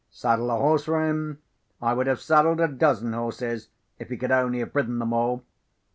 Saddle a horse for him? I would have saddled a dozen horses, if he could only have ridden them all!